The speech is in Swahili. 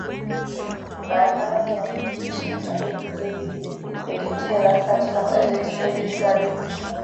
barabara na nimpishe sasa edwin david deketela katika magazeti edwin karibu